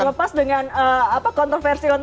dan terlepas dengan kontroversi kontroversinya